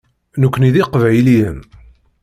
Nekkni d iqbayliyen.